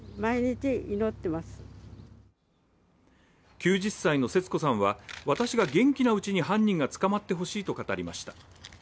９０歳の節子さんは、私が元気なうちに犯人が捕まってほしいと語りました。